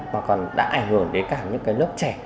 mà còn đã ảnh hưởng đến cả những cái lớp trẻ